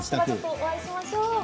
お会いしましょう。